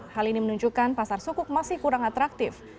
hal ini menunjukkan pasar sukuk masih kurang atraktif